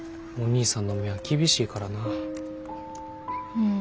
うん。